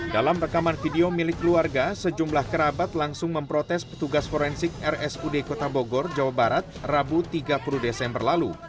dalam rekaman video milik keluarga sejumlah kerabat langsung memprotes petugas forensik rsud kota bogor jawa barat rabu tiga puluh desember lalu